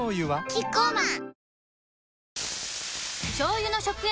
キッコーマン